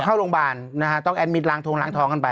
เข้าโรงพยาบาลนะฮะต้องแอดมิตรล้างทงล้างท้องกันไป